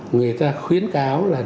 người ta khuyến cáo là